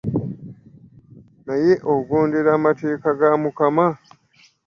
Naye ogondera amateeka ga Mukama?